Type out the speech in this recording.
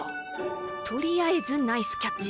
とりあえずナイスキャッチ。